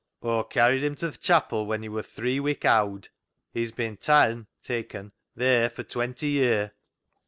" Aw carried him to th' chapel when he wor three wik owd. He's been ta'n (taken) theer for twenty ye'r.